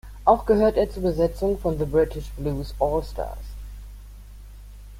Auch gehört er zur Besetzung von The British Blues All Stars.